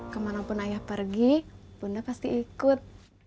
kemanapun ayah pergi bunda pasti ikut